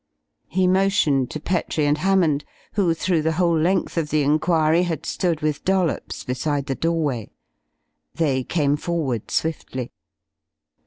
He motioned to Petrie and Hammond, who through the whole length of the inquiry had stood with Dollops, beside the doorway. They came forward swiftly.